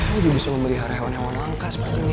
kenapa dia bisa memelihara hewan hewan langka seperti ini